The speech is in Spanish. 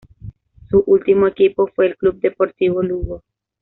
Su último equipo fue el Club Deportivo Lugo.